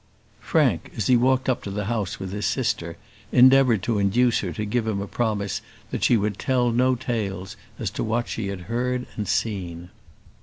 Frank, as he walked up to the house with his sister, endeavoured to induce her to give him a promise that she would tell no tales as to what she had heard and seen.